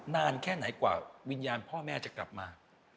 นานแค่ไหนกว่าวิญญาณพ่อแม่จะกลับมา